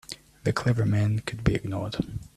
The clever men could be ignored.